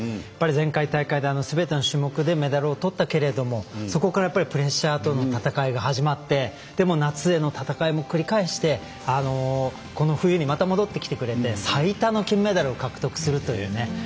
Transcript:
やっぱり、前回大会ですべての種目でメダルをとったけれどもそこからプレッシャーとの戦いが始まってでも、夏への戦いを繰り返してこの冬に、また戻ってきてくれて最多の金メダル獲得するというね。